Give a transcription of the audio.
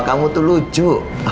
kamu tuh lucu